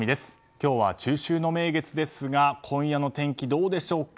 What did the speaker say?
今日は、中秋の名月ですが今夜の天気はどうでしょうか？